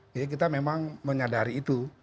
jadi kita memang menyadari itu